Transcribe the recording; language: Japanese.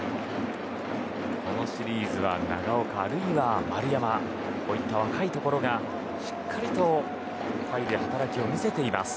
このシリーズは長岡あるいは丸山こういった若いところがしっかり下位で働きを見せています。